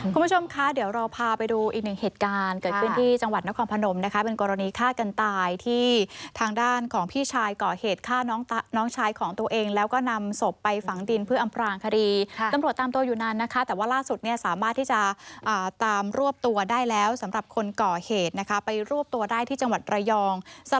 คุณผู้ชมคะเดี๋ยวเราพาไปดูอีกหนึ่งเหตุการณ์